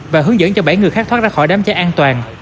và hướng dẫn cho bảy người khác thoát ra khỏi đám cháy an toàn